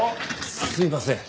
すいません。